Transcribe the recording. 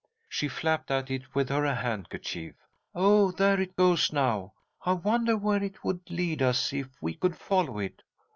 She flapped at it with her handkerchief. "Oh, there it goes now. I wonder where it would lead us if we could follow it?"